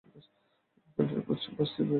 বিদ্যালয়টির পশ্চিম পাশ দিয়ে বয়ে গেছে বংশী নদী।